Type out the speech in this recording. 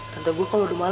tante gue kalau udah malu